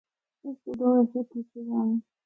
اس دے دو حصے کیتے جاون۔